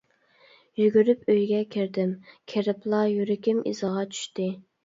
يۈگۈرۈپ ئۆيگە كىردىم، كىرىپلا يۈرىكىم ئىزىغا چۈشتى.